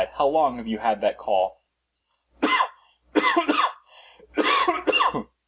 "How long have you had that cough?"